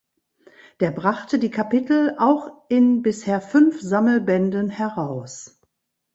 Der brachte die Kapitel auch in bisher fünf Sammelbänden heraus.